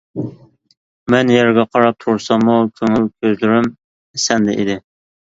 مەن يەرگە قاراپ تۇرساممۇ، كۆڭۈل كۆزلىرىم سەندە ئىدى.